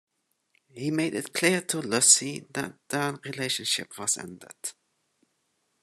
He made it clear to Lucy that their relationship was ended.